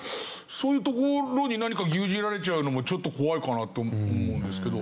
そういうところに何か牛耳られちゃうのもちょっと怖いかなと思うんですけど。